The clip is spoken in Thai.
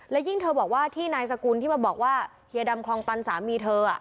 และยิ่งเธอบอกว่าที่นายสกุลที่มาบอกว่าเฮียดำคลองตันสามีเธอ